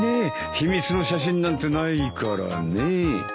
秘密の写真なんてないからねえ。